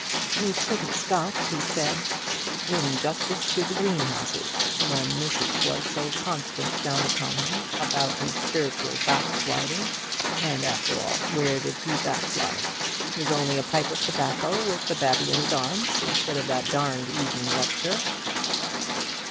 "He couldn't stop," he said, "in justice to the greenhouses, when missus was so constant down upon him about his sprittual backsliding. And, after all, where did he backslide? It was only a pipe of tobacco with the babby in his arms, instead of that darned evening lecture."